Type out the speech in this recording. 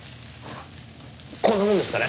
こんなもんですかね？